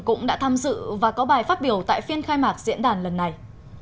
cũng đã tham dự và có bài phát biểu tại phiên khai mạc diễn đàn lần này